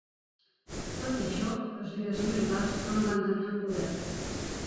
Tot i això, els líders militars van mantenir el poder.